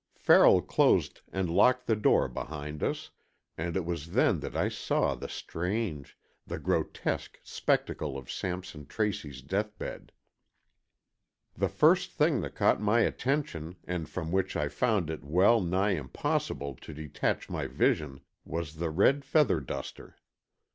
Farrell closed and locked the door behind us, and it was then that I saw the strange, the grotesque spectacle of Sampson Tracy's deathbed. The first thing that caught my attention and from which I found it well nigh impossible to detach my vision was the red feather duster.